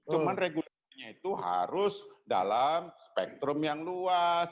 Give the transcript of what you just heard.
cuma regulasinya itu harus dalam spektrum yang luas